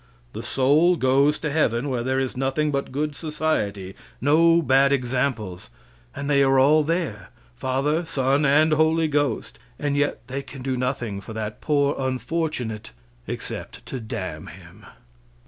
The soul goes to heaven, where there is nothing but good society; no bad examples; and they are all there, Father, Son and Holy Ghost, and yet they can do nothing for that poor unfortunate except to damn him.